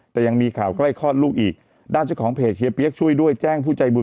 แต่ยังมีข่าวใกล้คลอดลูกอีกด้านเจ้าของเพจเฮียเปี๊ยกช่วยด้วยแจ้งผู้ใจบุญ